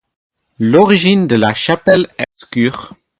L'origine de la chapelle est obscure.